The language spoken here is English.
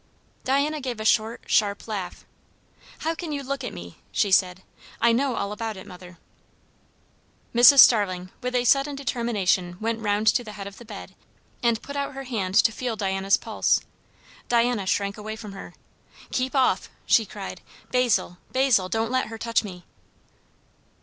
Diana gave a short, sharp laugh. "How can you look at me?" she said. "I know all about it, mother." Mrs. Starling with a sudden determination went round to the head of the bed and put out her hand to feel Diana's pulse. Diana shrank away from her. "Keep off!" she cried. "Basil, Basil, don't let her touch me."